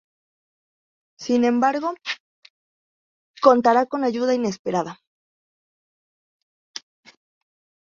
Sin embargo contará con ayuda inesperada.